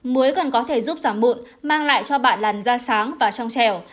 muối còn có thể giúp giảm bụn mang lại cho bạn làn da sáng và trong trẻo